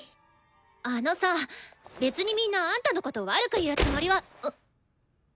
あのさ別にみんなあんたのこと悪く言うつもりは。